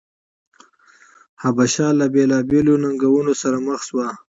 حبشه له بېلابېلو ننګونو سره مخ شوه.